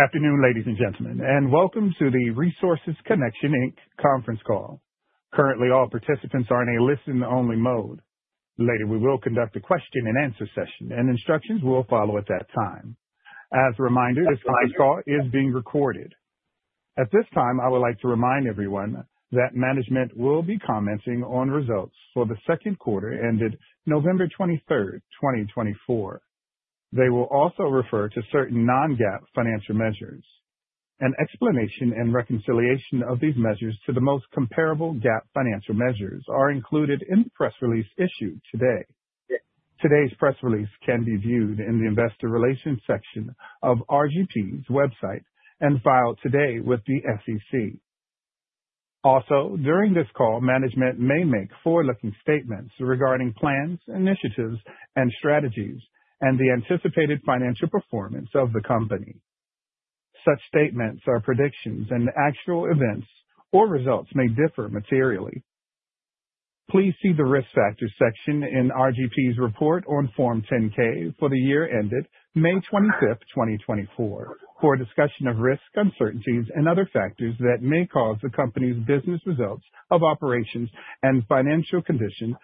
Good afternoon, ladies and gentlemen, and welcome to the Resources Connection, Inc. conference call. Currently, all participants are in a listen-only mode. Later, we will conduct a question-and-answer session, and instructions will follow at that time. As a reminder, this conference call is being recorded. At this time, I would like to remind everyone that management will be commenting on results for the second quarter ended November 23, 2024. They will also refer to certain non-GAAP financial measures. An explanation and reconciliation of these measures to the most comparable GAAP financial measures are included in the press release issued today. Today's press release can be viewed in the Investor Relations section of RGP's website and filed today with the SEC. Also, during this call, management may make forward-looking statements regarding plans, initiatives, and strategies, and the anticipated financial performance of the company. Such statements are predictions, and actual events or results may differ materially. Please see the risk factors section in RGP's report on Form 10-K for the year ended May 25, 2024, for a discussion of risk, uncertainties, and other factors that may cause the company's business results of operations and financial condition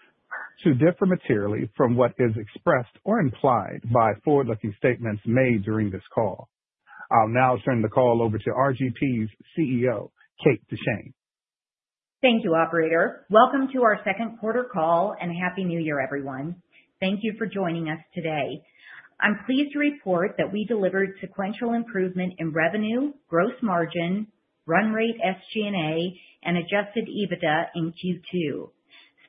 to differ materially from what is expressed or implied by forward-looking statements made during this call. I'll now turn the call over to RGP's CEO, Kate Duchene. Thank you, Operator. Welcome to our second quarter call, and happy New Year, everyone. Thank you for joining us today. I'm pleased to report that we delivered sequential improvement in revenue, gross margin, run rate, SG&A, and adjusted EBITDA in Q2.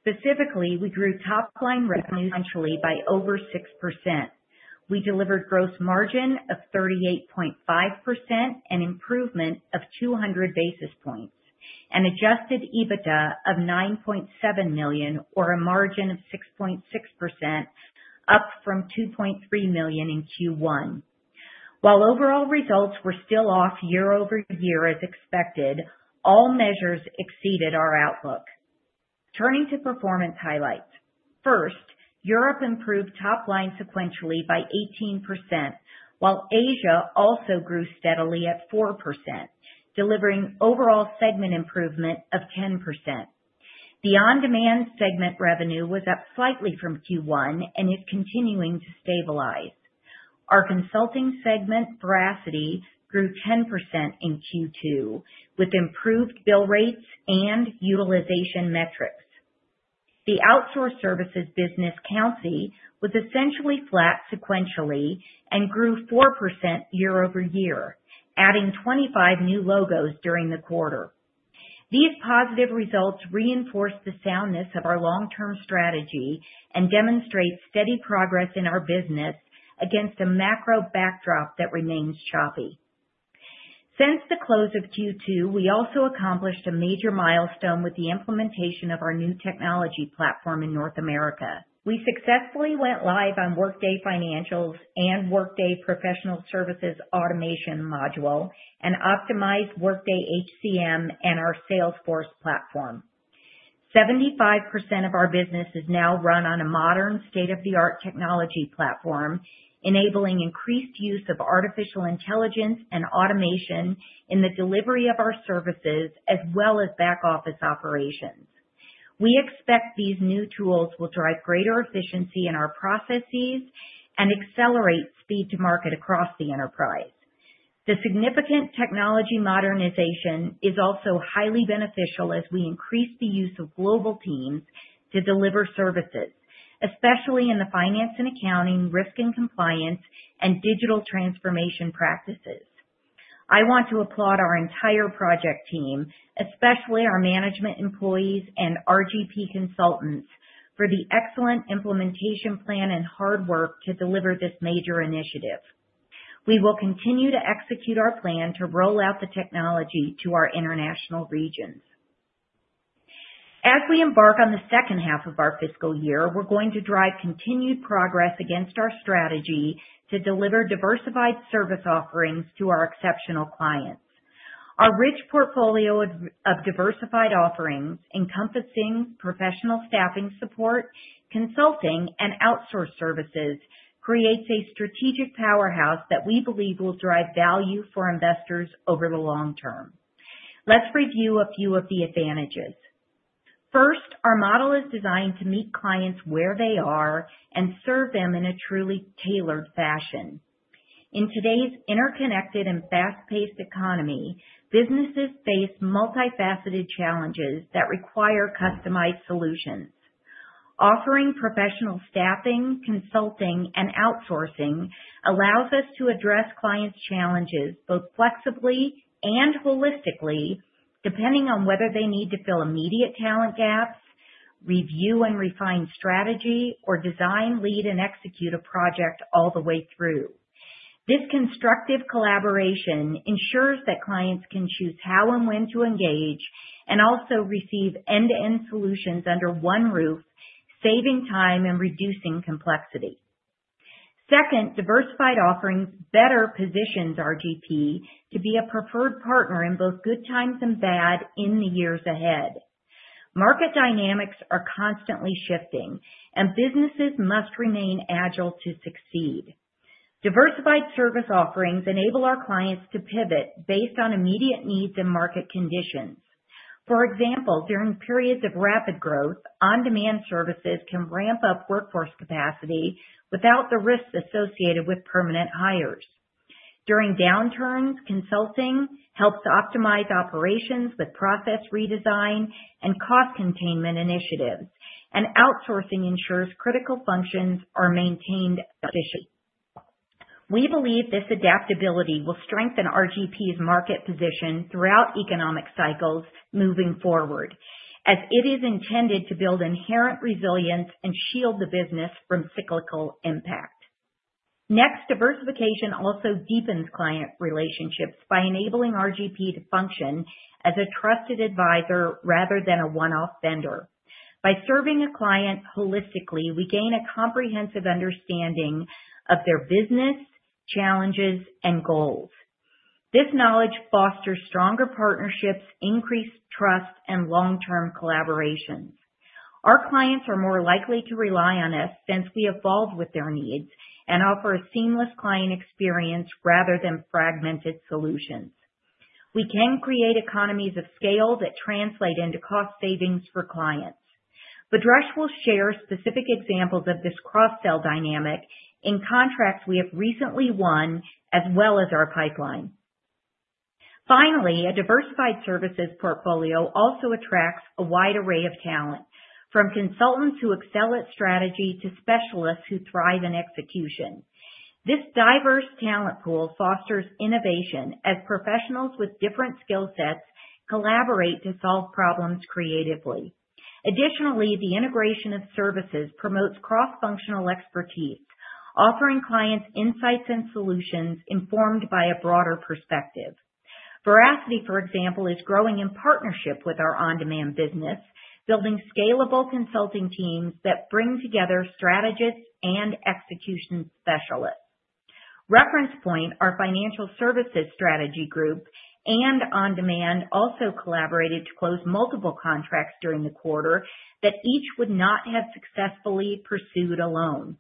Specifically, we grew top-line revenue sequentially by over 6%. We delivered gross margin of 38.5% and improvement of 200 basis points, and adjusted EBITDA of $9.7 million, or a margin of 6.6%, up from $2.3 million in Q1. While overall results were still off year-over-year as expected, all measures exceeded our outlook. Turning to performance highlights. First, Europe improved top-line sequentially by 18%, while Asia also grew steadily at 4%, delivering overall segment improvement of 10%. The on-demand segment revenue was up slightly from Q1 and is continuing to stabilize. Our consulting segment, Veracity, grew 10% in Q2 with improved bill rates and utilization metrics. The outsourced services business, Countsy, was essentially flat sequentially and grew 4% year-over-year, adding 25 new logos during the quarter. These positive results reinforce the soundness of our long-term strategy and demonstrate steady progress in our business against a macro backdrop that remains choppy. Since the close of Q2, we also accomplished a major milestone with the implementation of our new technology platform in North America. We successfully went live on Workday Financials and Workday Professional Services Automation module and optimized Workday HCM and our Salesforce platform. 75% of our business is now run on a modern state-of-the-art technology platform, enabling increased use of artificial intelligence and automation in the delivery of our services as well as back-office operations. We expect these new tools will drive greater efficiency in our processes and accelerate speed to market across the enterprise. The significant technology modernization is also highly beneficial as we increase the use of global teams to deliver services, especially in the finance and accounting, risk and compliance, and digital transformation practices. I want to applaud our entire project team, especially our management employees and RGP consultants, for the excellent implementation plan and hard work to deliver this major initiative. We will continue to execute our plan to roll out the technology to our international regions. As we embark on the second half of our fiscal year, we're going to drive continued progress against our strategy to deliver diversified service offerings to our exceptional clients. Our rich portfolio of diversified offerings, encompassing professional staffing support, consulting, and outsourced services, creates a strategic powerhouse that we believe will drive value for investors over the long term. Let's review a few of the advantages. First, our model is designed to meet clients where they are and serve them in a truly tailored fashion. In today's interconnected and fast-paced economy, businesses face multifaceted challenges that require customized solutions. Offering professional staffing, consulting, and outsourcing allows us to address clients' challenges both flexibly and holistically, depending on whether they need to fill immediate talent gaps, review and refine strategy, or design, lead, and execute a project all the way through. This constructive collaboration ensures that clients can choose how and when to engage and also receive end-to-end solutions under one roof, saving time and reducing complexity. Second, diversified offerings better positions RGP to be a preferred partner in both good times and bad in the years ahead. Market dynamics are constantly shifting, and businesses must remain agile to succeed. Diversified service offerings enable our clients to pivot based on immediate needs and market conditions. For example, during periods of rapid growth, on-demand services can ramp up workforce capacity without the risks associated with permanent hires. During downturns, consulting helps optimize operations with process redesign and cost containment initiatives, and outsourcing ensures critical functions are maintained efficiently. We believe this adaptability will strengthen RGP's market position throughout economic cycles moving forward, as it is intended to build inherent resilience and shield the business from cyclical impact. Next, diversification also deepens client relationships by enabling RGP to function as a trusted advisor rather than a one-off vendor. By serving a client holistically, we gain a comprehensive understanding of their business challenges and goals. This knowledge fosters stronger partnerships, increased trust, and long-term collaborations. Our clients are more likely to rely on us since we evolve with their needs and offer a seamless client experience rather than fragmented solutions. We can create economies of scale that translate into cost savings for clients. Bhadresh will share specific examples of this cross-sell dynamic in contracts we have recently won as well as our pipeline. Finally, a diversified services portfolio also attracts a wide array of talent, from consultants who excel at strategy to specialists who thrive in execution. This diverse talent pool fosters innovation as professionals with different skill sets collaborate to solve problems creatively. Additionally, the integration of services promotes cross-functional expertise, offering clients insights and solutions informed by a broader perspective. Veracity, for example, is growing in partnership with our on-demand business, building scalable consulting teams that bring together strategists and execution specialists. Reference Point, our financial services strategy group and on-demand, also collaborated to close multiple contracts during the quarter that each would not have successfully pursued alone.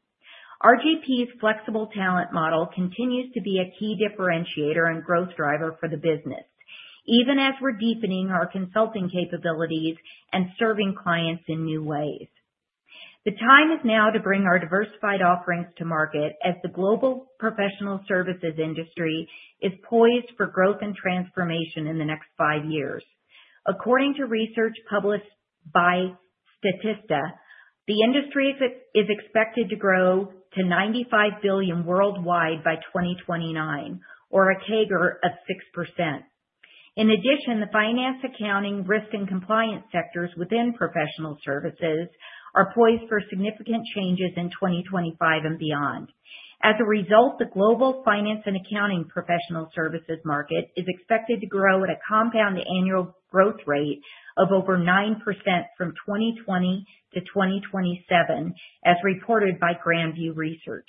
RGP's flexible talent model continues to be a key differentiator and growth driver for the business, even as we're deepening our consulting capabilities and serving clients in new ways. The time is now to bring our diversified offerings to market as the global professional services industry is poised for growth and transformation in the next five years. According to research published by Statista, the industry is expected to grow to $95 billion worldwide by 2029, or a CAGR of 6%. In addition, the finance, accounting, risk, and compliance sectors within professional services are poised for significant changes in 2025 and beyond. As a result, the global finance and accounting professional services market is expected to grow at a compound annual growth rate of over 9% from 2020 to 2027, as reported by Grand View Research.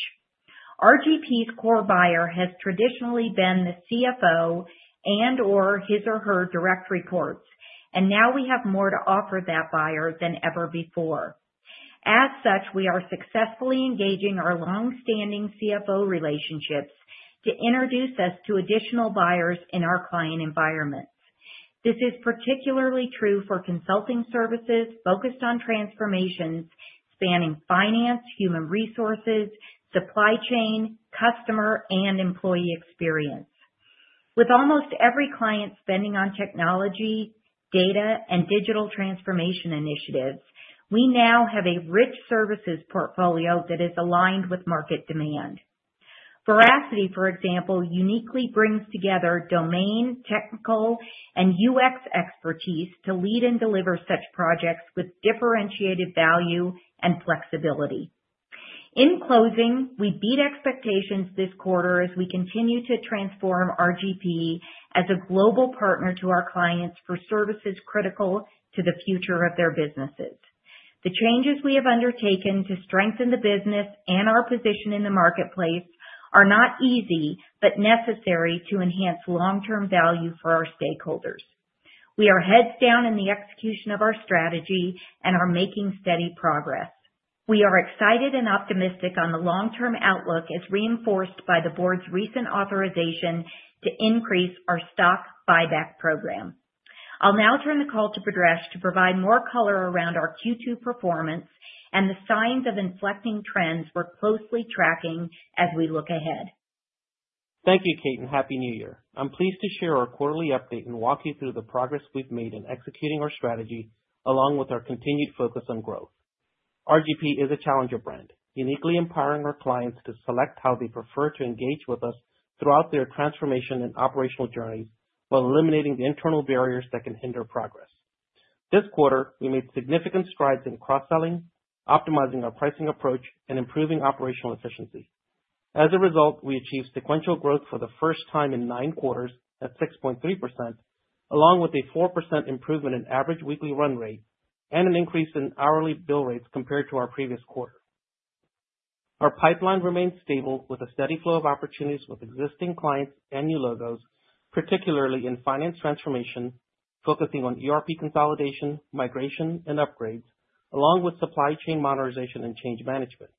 RGP's core buyer has traditionally been the CFO and/or his or her direct reports, and now we have more to offer that buyer than ever before. As such, we are successfully engaging our long-standing CFO relationships to introduce us to additional buyers in our client environment. This is particularly true for consulting services focused on transformations spanning finance, human resources, supply chain, customer, and employee experience. With almost every client spending on technology, data, and digital transformation initiatives, we now have a rich services portfolio that is aligned with market demand. Veracity, for example, uniquely brings together domain, technical, and UX expertise to lead and deliver such projects with differentiated value and flexibility. In closing, we beat expectations this quarter as we continue to transform RGP as a global partner to our clients for services critical to the future of their businesses. The changes we have undertaken to strengthen the business and our position in the marketplace are not easy but necessary to enhance long-term value for our stakeholders. We are heads down in the execution of our strategy and are making steady progress. We are excited and optimistic on the long-term outlook as reinforced by the board's recent authorization to increase our stock buyback program. I'll now turn the call to Bhadresh to provide more color around our Q2 performance and the signs of inflecting trends we're closely tracking as we look ahead. Thank you, Kate, and happy New Year. I'm pleased to share our quarterly update and walk you through the progress we've made in executing our strategy along with our continued focus on growth. RGP is a challenger brand, uniquely empowering our clients to select how they prefer to engage with us throughout their transformation and operational journeys while eliminating the internal barriers that can hinder progress. This quarter, we made significant strides in cross-selling, optimizing our pricing approach, and improving operational efficiency. As a result, we achieved sequential growth for the first time in nine quarters at 6.3%, along with a 4% improvement in average weekly run rate and an increase in hourly bill rates compared to our previous quarter. Our pipeline remains stable with a steady flow of opportunities with existing clients and new logos, particularly in finance transformation, focusing on ERP consolidation, migration, and upgrades, along with supply chain modernization and change management.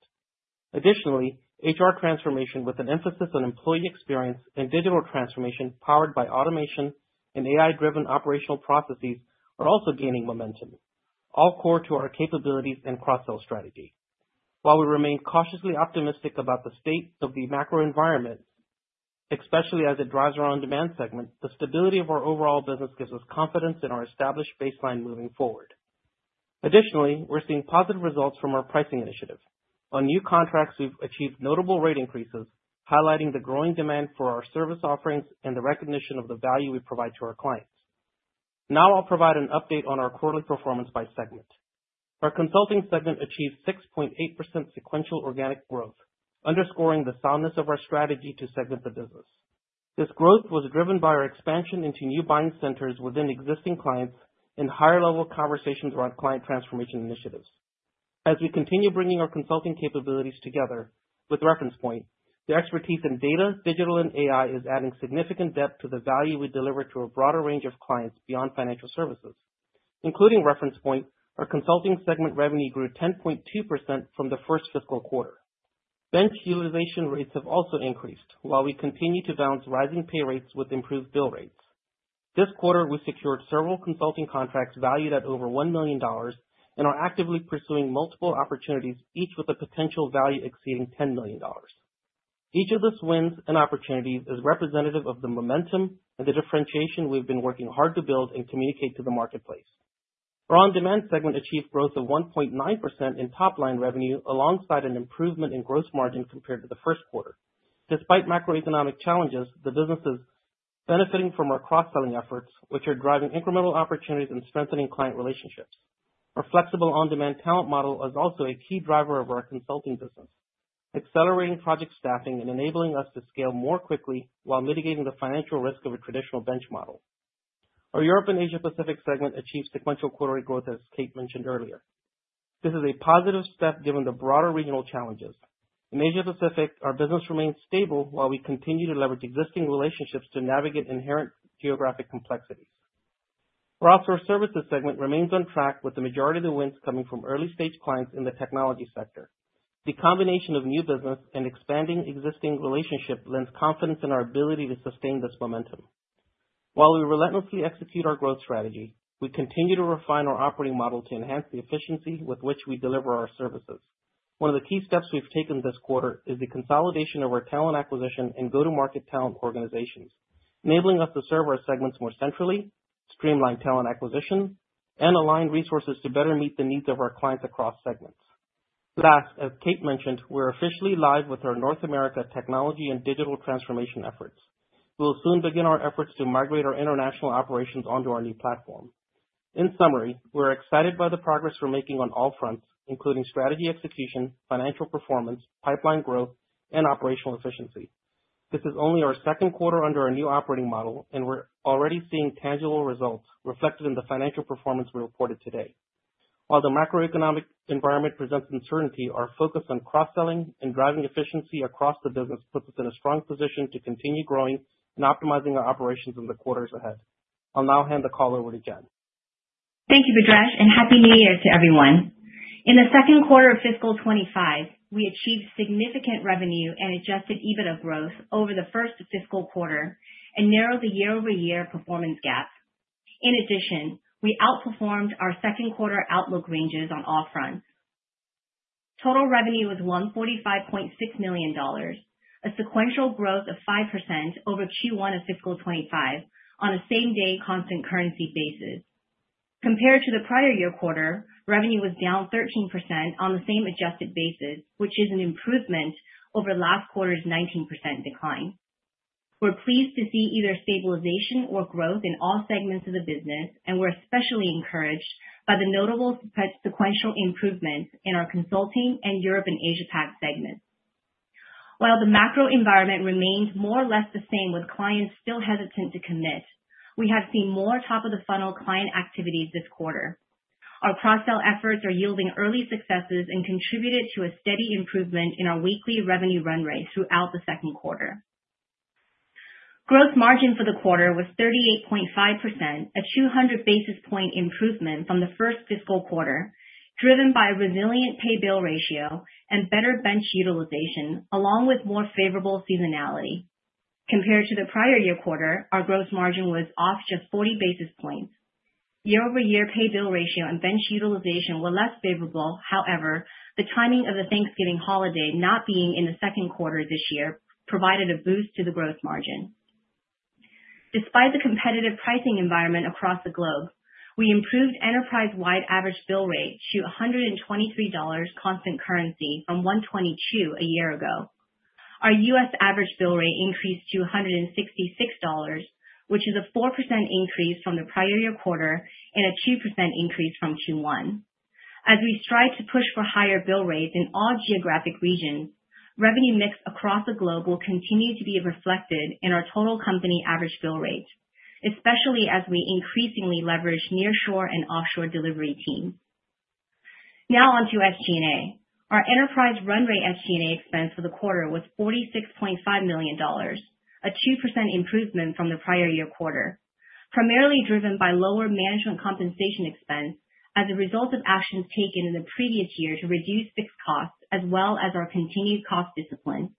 Additionally, HR transformation with an emphasis on employee experience and digital transformation powered by automation and AI-driven operational processes are also gaining momentum, all core to our capabilities and cross-sell strategy. While we remain cautiously optimistic about the state of the macro environment, especially as it drives our on-demand segment, the stability of our overall business gives us confidence in our established baseline moving forward. Additionally, we're seeing positive results from our pricing initiative. On new contracts, we've achieved notable rate increases, highlighting the growing demand for our service offerings and the recognition of the value we provide to our clients. Now I'll provide an update on our quarterly performance by segment. Our consulting segment achieved 6.8% sequential organic growth, underscoring the soundness of our strategy to segment the business. This growth was driven by our expansion into new buying centers within existing clients and higher-level conversations around client transformation initiatives. As we continue bringing our consulting capabilities together with Reference Point, the expertise in data, digital, and AI is adding significant depth to the value we deliver to a broader range of clients beyond financial services. Including Reference Point, our consulting segment revenue grew 10.2% from the first fiscal quarter. Bench utilization rates have also increased while we continue to balance rising pay rates with improved bill rates. This quarter, we secured several consulting contracts valued at over $1 million and are actively pursuing multiple opportunities, each with a potential value exceeding $10 million. Each of the swings and opportunities is representative of the momentum and the differentiation we've been working hard to build and communicate to the marketplace. Our on-demand segment achieved growth of 1.9% in top-line revenue alongside an improvement in gross margin compared to the first quarter. Despite macroeconomic challenges, the business is benefiting from our cross-selling efforts, which are driving incremental opportunities and strengthening client relationships. Our flexible on-demand talent model is also a key driver of our consulting business, accelerating project staffing and enabling us to scale more quickly while mitigating the financial risk of a traditional bench model. Our Europe and Asia-Pacific segment achieved sequential quarterly growth, as Kate mentioned earlier. This is a positive step given the broader regional challenges. In Asia-Pacific, our business remains stable while we continue to leverage existing relationships to navigate inherent geographic complexities. Our Outsourced Services segment remains on track with the majority of the wins coming from early-stage clients in the technology sector. The combination of new business and expanding existing relationships lends confidence in our ability to sustain this momentum. While we relentlessly execute our growth strategy, we continue to refine our operating model to enhance the efficiency with which we deliver our services. One of the key steps we've taken this quarter is the consolidation of our talent acquisition and go-to-market talent organizations, enabling us to serve our segments more centrally, streamline talent acquisition, and align resources to better meet the needs of our clients across segments. Last, as Kate mentioned, we're officially live with our North America technology and digital transformation efforts. We'll soon begin our efforts to migrate our international operations onto our new platform. In summary, we're excited by the progress we're making on all fronts, including strategy execution, financial performance, pipeline growth, and operational efficiency. This is only our second quarter under our new operating model, and we're already seeing tangible results reflected in the financial performance we reported today. While the macroeconomic environment presents uncertainty, our focus on cross-selling and driving efficiency across the business puts us in a strong position to continue growing and optimizing our operations in the quarters ahead. I'll now hand the call over to Jen. Thank you, Bhadresh, and happy New Year to everyone. In the second quarter of fiscal 2025, we achieved significant revenue and Adjusted EBITDA growth over the first fiscal quarter and narrowed the year-over-year performance gap. In addition, we outperformed our second quarter outlook ranges on all fronts. Total revenue was $145.6 million, a sequential growth of 5% over Q1 of fiscal 2025 on a same-day constant currency basis. Compared to the prior year quarter, revenue was down 13% on the same adjusted basis, which is an improvement over last quarter's 19% decline. We're pleased to see either stabilization or growth in all segments of the business, and we're especially encouraged by the notable sequential improvements in our consulting and Europe and Asia-Pac segments. While the macro environment remains more or less the same with clients still hesitant to commit, we have seen more top-of-the-funnel client activities this quarter. Our cross-sell efforts are yielding early successes and contributed to a steady improvement in our weekly revenue run rate throughout the second quarter. Gross margin for the quarter was 38.5%, a 200 basis points improvement from the first fiscal quarter, driven by a resilient pay-bill ratio and better bench utilization, along with more favorable seasonality. Compared to the prior year quarter, our gross margin was off just 40 basis points. Year-over-year pay-bill ratio and bench utilization were less favorable. However, the timing of the Thanksgiving holiday not being in the second quarter this year provided a boost to the gross margin. Despite the competitive pricing environment across the globe, we improved enterprise-wide average bill rate to $123 constant currency from $122 a year ago. Our U.S. average bill rate increased to $166, which is a 4% increase from the prior year quarter and a 2% increase from Q1. As we strive to push for higher bill rates in all geographic regions, revenue mix across the globe will continue to be reflected in our total company average bill rate, especially as we increasingly leverage nearshore and offshore delivery teams. Now on to SG&A. Our enterprise run rate SG&A expense for the quarter was $46.5 million, a 2% improvement from the prior year quarter, primarily driven by lower management compensation expense as a result of actions taken in the previous year to reduce fixed costs as well as our continued cost discipline.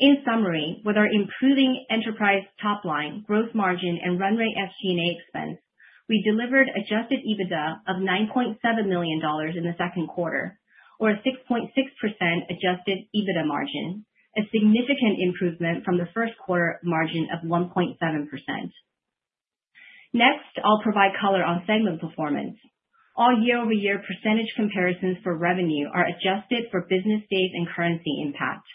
In summary, with our improving enterprise top line, gross margin, and run rate SG&A expense, we delivered adjusted EBITDA of $9.7 million in the second quarter, or a 6.6% adjusted EBITDA margin, a significant improvement from the first quarter margin of 1.7%. Next, I'll provide color on segment performance. All year-over-year percentage comparisons for revenue are adjusted for business days and currency impact.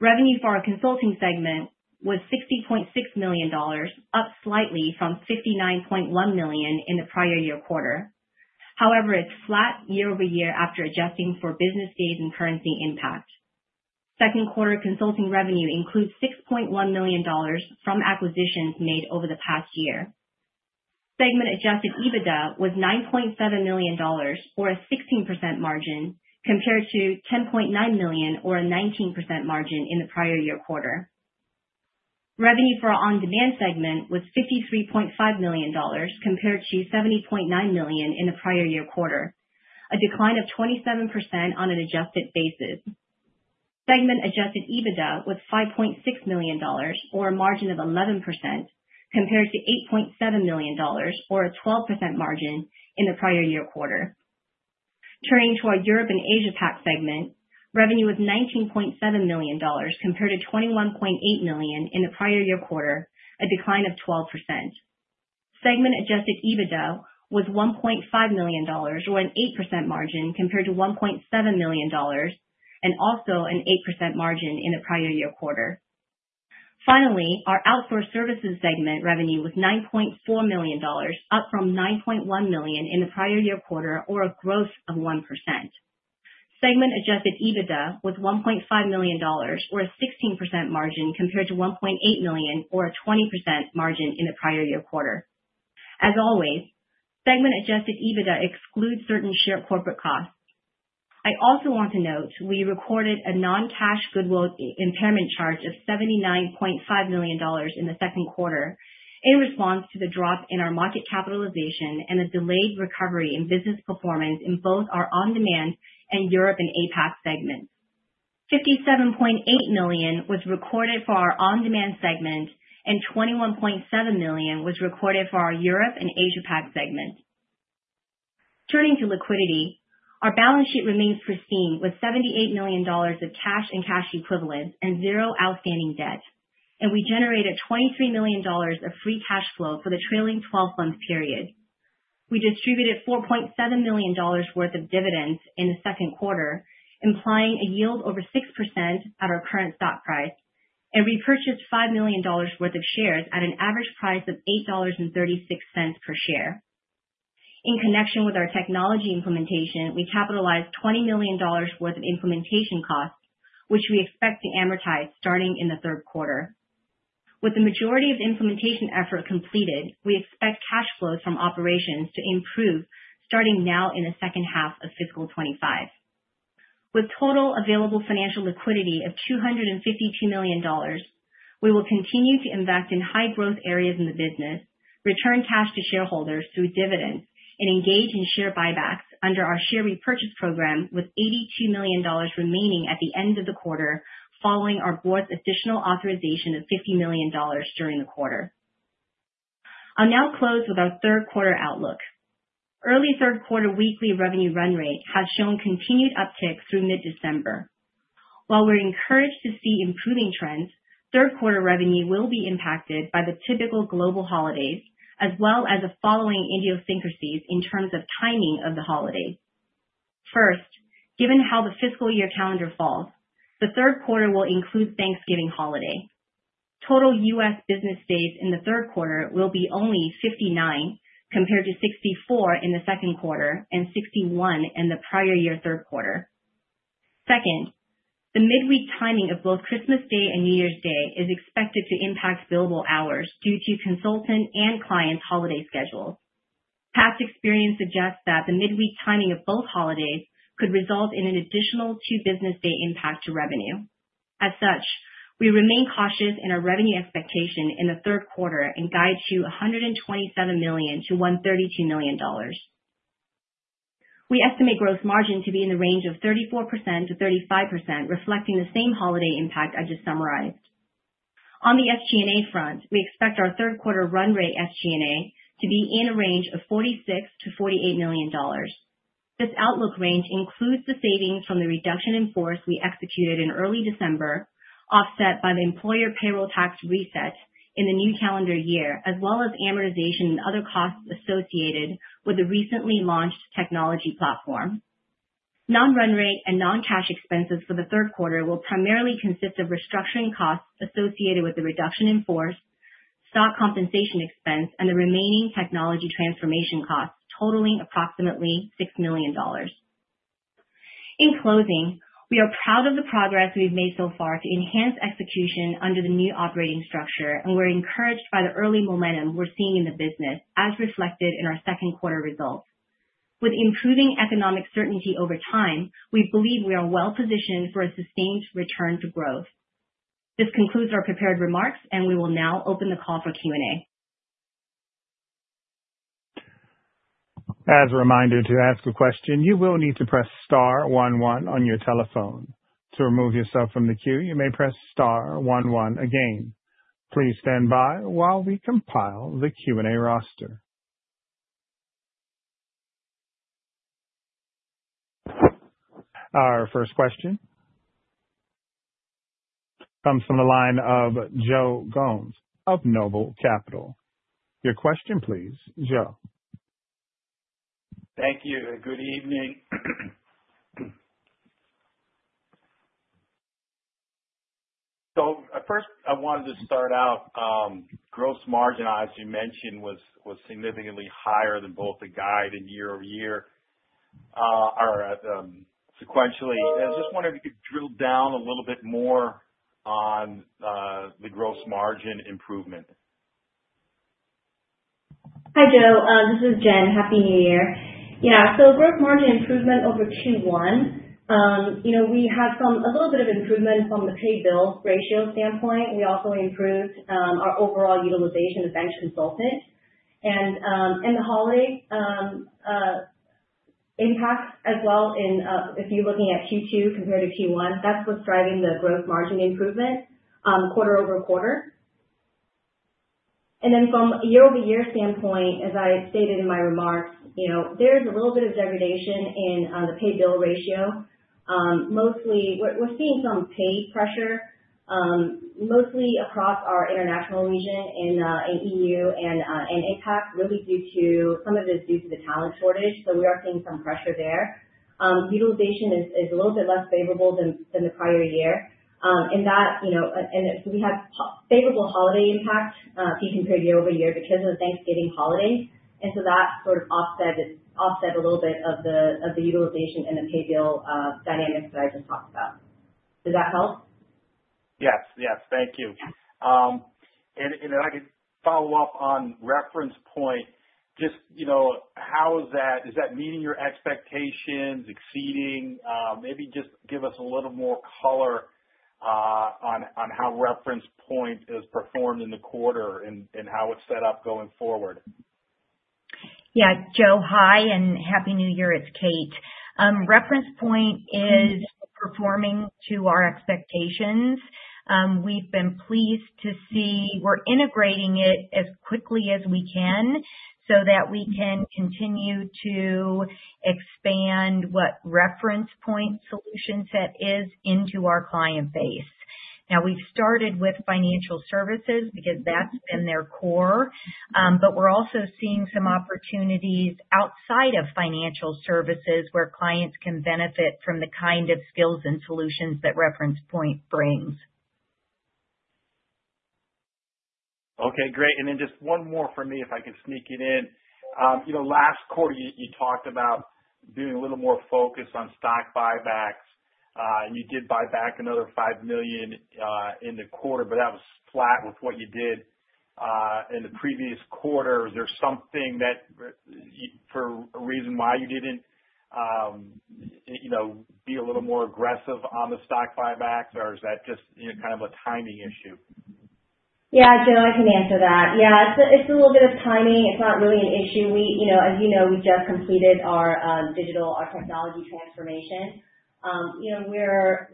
Revenue for our consulting segment was $60.6 million, up slightly from $59.1 million in the prior year quarter. However, it's flat year-over-year after adjusting for business days and currency impact. Second quarter consulting revenue includes $6.1 million from acquisitions made over the past year. Segment-adjusted EBITDA was $9.7 million, or a 16% margin, compared to $10.9 million, or a 19% margin in the prior year quarter. Revenue for our on-demand segment was $53.5 million, compared to $70.9 million in the prior year quarter, a decline of 27% on an adjusted basis. Segment-adjusted EBITDA was $5.6 million, or a margin of 11%, compared to $8.7 million, or a 12% margin in the prior year quarter. Turning to our Europe and Asia-Pac segment, revenue was $19.7 million, compared to $21.8 million in the prior year quarter, a decline of 12%. Segment-adjusted EBITDA was $1.5 million, or an 8% margin, compared to $1.7 million, and also an 8% margin in the prior year quarter. Finally, our outsourced services segment revenue was $9.4 million, up from $9.1 million in the prior year quarter, or a growth of 1%. Segment-adjusted EBITDA was $1.5 million, or a 16% margin, compared to $1.8 million, or a 20% margin in the prior year quarter. As always, segment-adjusted EBITDA excludes certain shared corporate costs. I also want to note we recorded a non-cash goodwill impairment charge of $79.5 million in the second quarter in response to the drop in our market capitalization and the delayed recovery in business performance in both our on-demand and Europe and APAC segments. $57.8 million was recorded for our on-demand segment, and $21.7 million was recorded for our Europe and Asia-Pac segment. Turning to liquidity, our balance sheet remains pristine with $78 million of cash and cash equivalents and zero outstanding debt, and we generated $23 million of free cash flow for the trailing 12-month period. We distributed $4.7 million worth of dividends in the second quarter, implying a yield over 6% at our current stock price, and repurchased $5 million worth of shares at an average price of $8.36 per share. In connection with our technology implementation, we capitalized $20 million worth of implementation costs, which we expect to amortize starting in the third quarter. With the majority of implementation effort completed, we expect cash flows from operations to improve starting now in the second half of fiscal 2025. With total available financial liquidity of $252 million, we will continue to invest in high-growth areas in the business, return cash to shareholders through dividends, and engage in share buybacks under our share repurchase program, with $82 million remaining at the end of the quarter following our board's additional authorization of $50 million during the quarter. I'll now close with our third quarter outlook. Early third quarter weekly revenue run rate has shown continued uptick through mid-December. While we're encouraged to see improving trends, third quarter revenue will be impacted by the typical global holidays as well as the following idiosyncrasies in terms of timing of the holiday. First, given how the fiscal year calendar falls, the third quarter will include Thanksgiving holiday. Total U.S. business days in the third quarter will be only 59, compared to 64 in the second quarter and 61 in the prior year third quarter. Second, the midweek timing of both Christmas Day and New Year's Day is expected to impact billable hours due to consultant and client holiday schedules. Past experience suggests that the midweek timing of both holidays could result in an additional two business day impact to revenue. As such, we remain cautious in our revenue expectation in the third quarter and guide to $127 million-$132 million. We estimate gross margin to be in the range of 34%-35%, reflecting the same holiday impact I just summarized. On the SG&A front, we expect our third quarter run rate SG&A to be in a range of $46-$48 million. This outlook range includes the savings from the reduction in force we executed in early December, offset by the employer payroll tax reset in the new calendar year, as well as amortization and other costs associated with the recently launched technology platform. Non-run rate and non-cash expenses for the third quarter will primarily consist of restructuring costs associated with the reduction in force, stock compensation expense, and the remaining technology transformation costs, totaling approximately $6 million. In closing, we are proud of the progress we've made so far to enhance execution under the new operating structure, and we're encouraged by the early momentum we're seeing in the business, as reflected in our second quarter results. With improving economic certainty over time, we believe we are well-positioned for a sustained return to growth. This concludes our prepared remarks, and we will now open the call for Q&A. As a reminder to ask a question, you will need to press star 11 on your telephone. To remove yourself from the queue, you may press star 11 again. Please stand by while we compile the Q&A roster. Our first question comes from the line of Joe Gomes of Noble Capital. Your question, please, Joe. Thank you. Good evening. So first, I wanted to start out. Gross margin, as you mentioned, was significantly higher than both the guide and year-over-year sequentially. I just wanted to drill down a little bit more on the gross margin improvement. Hi, Joe. This is Jen. Happy New Year. Yeah, so gross margin improvement over Q1, we had a little bit of improvement from the pay-bill ratio standpoint. We also improved our overall utilization of bench consultants. And in the holiday impact, as well, if you're looking at Q2 compared to Q1, that's what's driving the gross margin improvement quarter-over-quarter. And then from a year-over-year standpoint, as I stated in my remarks, there is a little bit of degradation in the pay-bill ratio. Mostly, we're seeing some pay pressure, mostly across our international region in EU and APAC, really due to some of it is due to the talent shortage. So we are seeing some pressure there. Utilization is a little bit less favorable than the prior year. And so we had favorable holiday impact if you compare year-over-year because of the Thanksgiving holiday. And so that sort of offset a little bit of the utilization and the pay-bill dynamics that I just talked about. Does that help? Yes, yes. Thank you, and if I could follow up on Reference Point, just how is that? Is that meeting your expectations, exceeding? Maybe just give us a little more color on how Reference Point is performed in the quarter and how it's set up going forward. Yeah, Joe, hi, and happy New Year. It's Kate. Reference Point is performing to our expectations. We've been pleased to see we're integrating it as quickly as we can so that we can continue to expand what Reference Point solution set is into our client base. Now, we've started with financial services because that's been their core, but we're also seeing some opportunities outside of financial services where clients can benefit from the kind of skills and solutions that Reference Point brings. Okay, great. And then just one more for me, if I can sneak it in. Last quarter, you talked about doing a little more focus on stock buybacks, and you did buy back another five million in the quarter, but that was flat with what you did in the previous quarter. Is there something that for a reason why you didn't be a little more aggressive on the stock buybacks, or is that just kind of a timing issue? Yeah, Joe, I can answer that. Yeah, it's a little bit of timing. It's not really an issue. As you know, we just completed our digital technology transformation. We're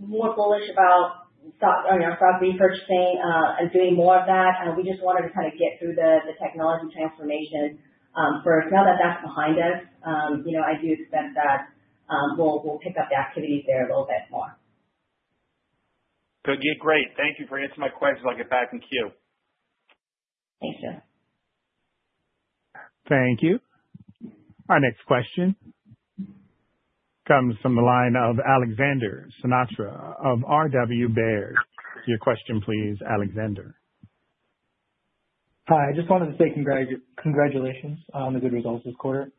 more bullish about our stock repurchasing and doing more of that. We just wanted to kind of get through the technology transformation first. Now that that's behind us, I do expect that we'll pick up the activity there a little bit more. Good. Great. Thank you for answering my questions. I'll get back in queue. Thanks, Joe. Thank you. Our next question comes from the line of Alexander Sinagra of Robert W. Baird & Co. Your question, please, Alexander. Hi. I just wanted to say congratulations on the good results this quarter.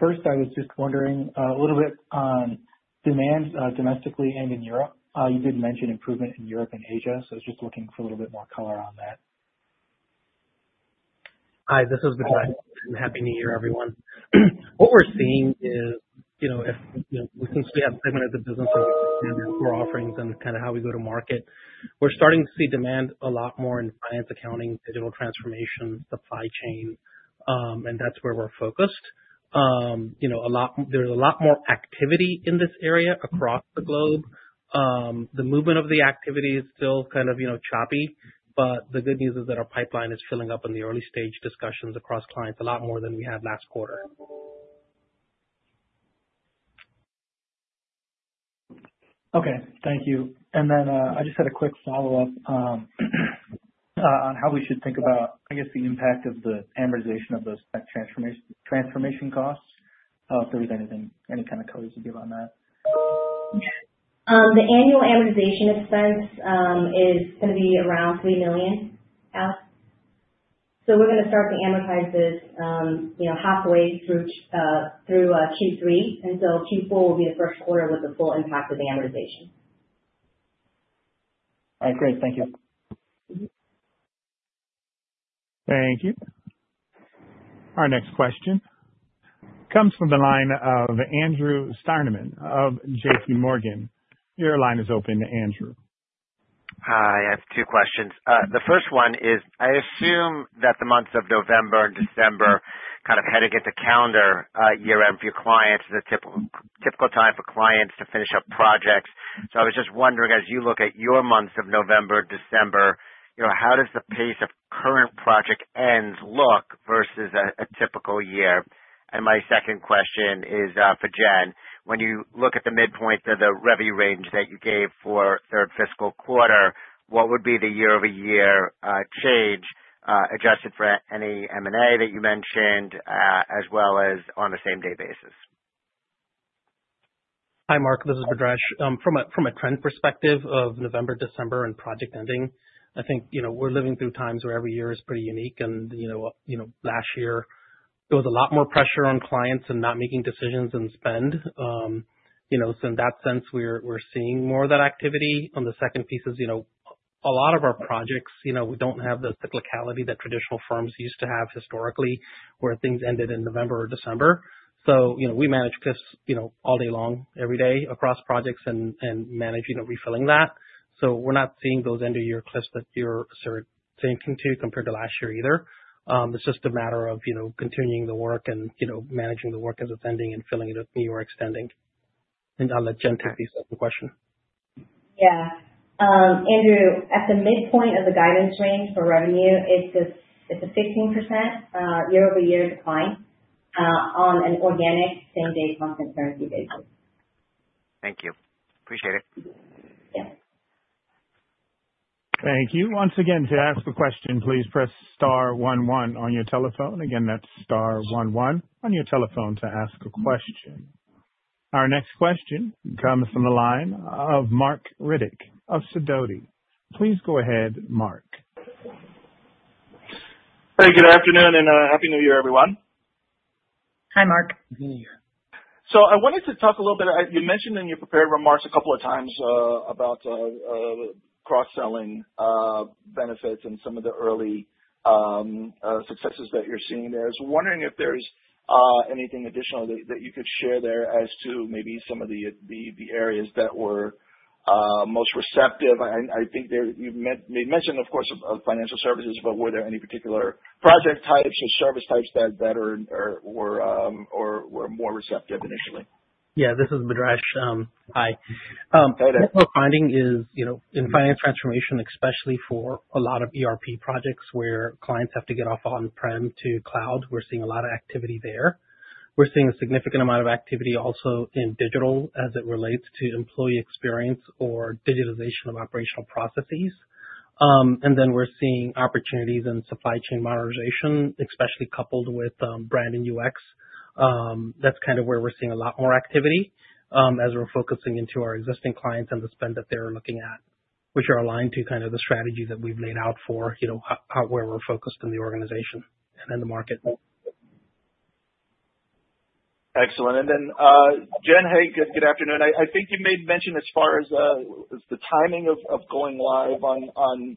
First, I was just wondering a little bit on demand domestically and in Europe. You did mention improvement in Europe and Asia, so I was just looking for a little bit more color on that. Hi, this is Bhadresh and Happy New Year, everyone. What we're seeing is since we have segmented the business and we're offering them kind of how we go to market, we're starting to see demand a lot more in finance, accounting, digital transformation, supply chain, and that's where we're focused. There's a lot more activity in this area across the globe. The movement of the activity is still kind of choppy, but the good news is that our pipeline is filling up in the early stage discussions across clients a lot more than we had last quarter. Okay. Thank you. And then I just had a quick follow-up on how we should think about, I guess, the impact of the amortization of those transformation costs, if there was any kind of coverage to give on that? The annual amortization expense is going to be around $3 million, so we're going to start to amortize this halfway through Q3, and so Q4 will be the first quarter with the full impact of the amortization. All right. Great. Thank you. Thank you. Our next question comes from the line of Andrew Steinerman of JPMorgan. Your line is open, Andrew. Hi. I have two questions. The first one is I assume that the months of November and December kind of head against the calendar year-end for your clients. It's a typical time for clients to finish up projects. So I was just wondering, as you look at your months of November and December, how does the pace of current project ends look versus a typical year? And my second question is for Jen. When you look at the midpoint of the revenue range that you gave for third fiscal quarter, what would be the year-over-year change adjusted for any M&A that you mentioned, as well as on a same-day basis? Hi, Mark. This is Bhadresh. From a trend perspective of November, December, and project ending. I think we're living through times where every year is pretty unique, and last year there was a lot more pressure on clients and not making decisions and spend. So in that sense, we're seeing more of that activity. On the second piece is a lot of our projects, we don't have the cyclicality that traditional firms used to have historically where things ended in November or December. So we manage cliffs all day long, every day across projects and managing refilling that. So we're not seeing those end-of-year cliffs that you're sort of thinking to compare to last year either. It's just a matter of continuing the work and managing the work as it's ending and filling it up new or extending. And I'll let Jen take the second question. Yeah. Andrew, at the midpoint of the guidance range for revenue, it's a 15% year-over-year decline on an organic same-day constant currency basis. Thank you. Appreciate it. Thank you. Thank you. Once again, to ask a question, please press star 11 on your telephone. Again, that's star 11 on your telephone to ask a question. Our next question comes from the line of Marc Riddick of Sidoti. Please go ahead, Mark. Hey, good afternoon and happy New Year, everyone. Hi, Marc. Happy New Year. So I wanted to talk a little bit. You mentioned in your prepared remarks a couple of times about cross-selling benefits and some of the early successes that you're seeing there. I was wondering if there's anything additional that you could share there as to maybe some of the areas that were most receptive. I think you mentioned, of course, financial services, but were there any particular project types or service types that were more receptive initially? Yeah, this is Bhadresh. Hi. Hey, there. What we're finding is in finance transformation, especially for a lot of ERP projects where clients have to get off on-prem to cloud, we're seeing a lot of activity there. We're seeing a significant amount of activity also in digital as it relates to employee experience or digitization of operational processes, and then we're seeing opportunities in supply chain modernization, especially coupled with brand and UX. That's kind of where we're seeing a lot more activity as we're focusing into our existing clients and the spend that they're looking at, which are aligned to kind of the strategy that we've laid out for where we're focused in the organization and in the market. Excellent. And then Jen, hey, good afternoon. I think you may have mentioned as far as the timing of going live on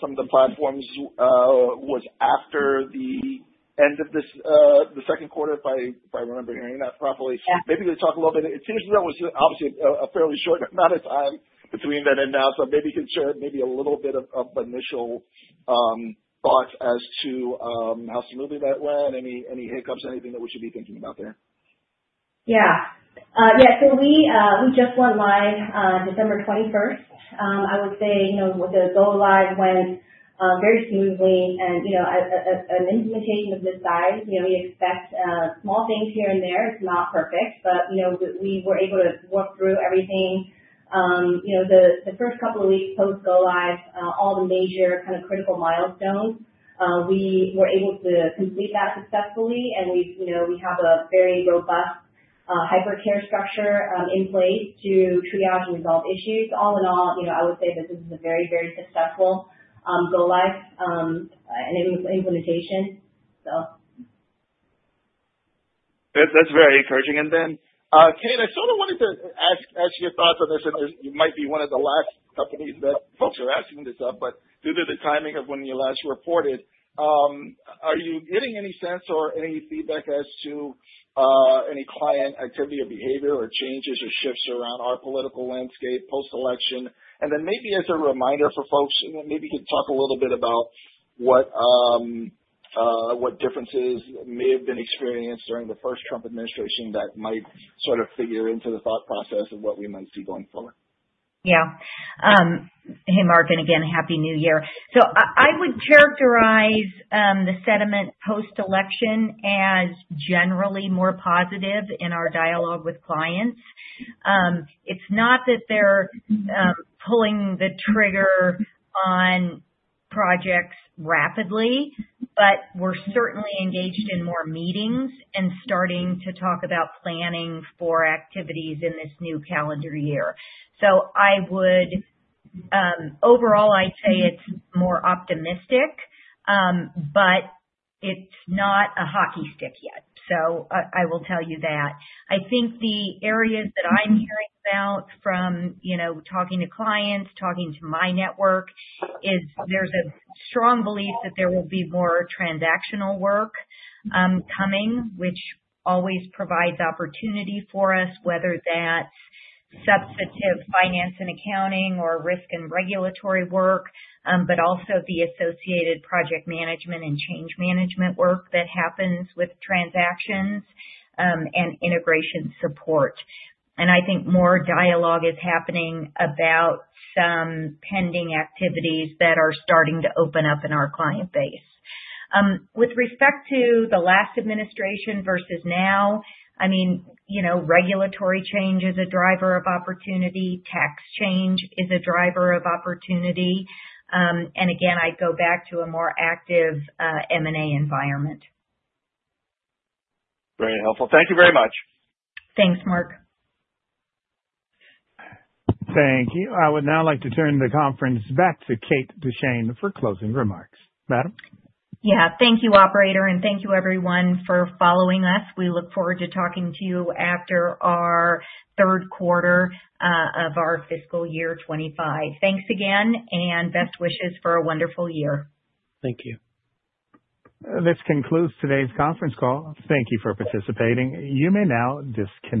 some of the platforms was after the end of the second quarter, if I remember hearing that properly. Maybe we talk a little bit. It seems that was obviously a fairly short amount of time between then and now, so maybe you can share maybe a little bit of initial thoughts as to how smoothly that went, any hiccups, anything that we should be thinking about there. Yeah. Yeah. So we just went live December 21st. I would say the go-live went very smoothly. And an implementation of this size, we expect small things here and there. It's not perfect, but we were able to work through everything. The first couple of weeks post go-live, all the major kind of critical milestones, we were able to complete that successfully, and we have a very robust hypercare structure in place to triage and resolve issues. All in all, I would say that this is a very, very successful go-live and implementation, so. That's very encouraging. And then, Kate, I sort of wanted to ask your thoughts on this. It might be one of the last companies that folks are asking this of, but due to the timing of when you last reported, are you getting any sense or any feedback as to any client activity or behavior or changes or shifts around our political landscape post-election? And then maybe as a reminder for folks, maybe you could talk a little bit about what differences may have been experienced during the first Trump administration that might sort of figure into the thought process of what we might see going forward. Yeah. Hey, Mark. And again, happy New Year. So I would characterize the sentiment post-election as generally more positive in our dialogue with clients. It's not that they're pulling the trigger on projects rapidly, but we're certainly engaged in more meetings and starting to talk about planning for activities in this new calendar year. So overall, I'd say it's more optimistic, but it's not a hockey stick yet. So I will tell you that. I think the areas that I'm hearing about from talking to clients, talking to my network, is there's a strong belief that there will be more transactional work coming, which always provides opportunity for us, whether that's substantive finance and accounting or risk and regulatory work, but also the associated project management and change management work that happens with transactions and integration support. And I think more dialogue is happening about some pending activities that are starting to open up in our client base. With respect to the last administration versus now, I mean, regulatory change is a driver of opportunity. Tax change is a driver of opportunity. And again, I'd go back to a more active M&A environment. Very helpful. Thank you very much. Thanks, Mark. Thank you. I would now like to turn the conference back to Kate Duchene for closing remarks. Madam? Yeah. Thank you, Operator, and thank you, everyone, for following us. We look forward to talking to you after our third quarter of our fiscal year 2025. Thanks again and best wishes for a wonderful year. Thank you. This concludes today's conference call. Thank you for participating. You may now disconnect.